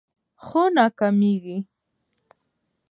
خو ناکامیږي